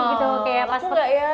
aku nggak ya